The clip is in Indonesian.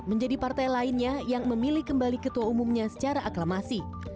menjadi partai lainnya yang memilih kembali ketua umumnya secara aklamasi